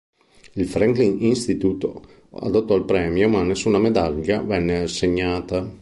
Il Franklin Institute adottò il premio, ma nessuna medaglia venne assegnata.